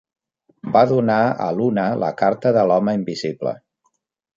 Va donar a Luna la carta de l'Home invisible.